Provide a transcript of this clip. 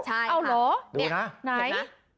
ดูนะนี่